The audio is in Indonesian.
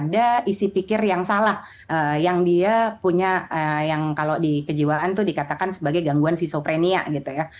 ada isi pikir yang salah yang dia punya yang kalau di kejiwaan itu dikatakan sebagai gangguan sisoprenea gitu ya